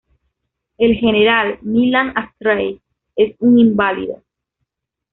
El general Millán-Astray es un inválido.